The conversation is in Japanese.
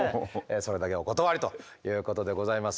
それだけはお断りということでございますが。